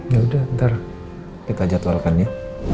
yaudah ntar kita jadwalkan ya